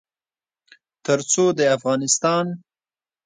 تر څو د افغانستان